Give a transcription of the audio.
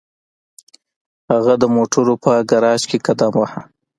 هغه د موټرو په ګراج کې قدم واهه